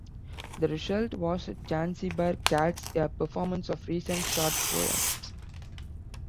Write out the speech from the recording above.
The result was "Zanzibar Cats", a performance of recent short poems.